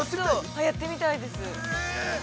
◆はい、やってみたいです。